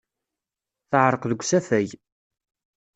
Teɛreq deg usafag.